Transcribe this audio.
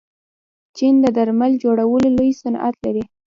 چین د درمل جوړولو لوی صنعت لري.